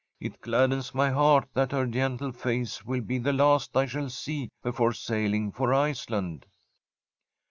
' It gladdens my heart that her gentle face will be the last I shall see before sailing for Iceland.'